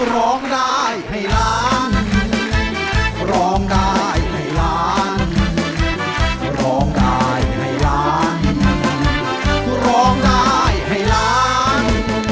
ร้องได้ให้ร้าน